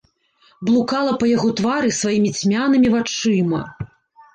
Блукала па яго твары сваімі цьмянымі вачыма.